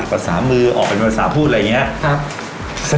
ภาษามือออกเป็นภาษาพูดอะไรอย่างนี้